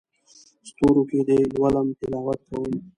ستورو کې دې لولم تلاوت کوم